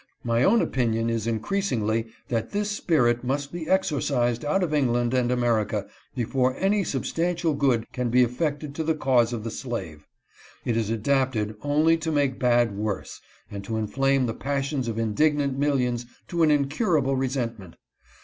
My own opinion is increasingly that this J spirit must be exorcised out of England and America before any sub stantial good can be effected for the cause of the slave. It is adapted only to make bad worse and to inflame the passions of indignant mil lions to an incurable resentment.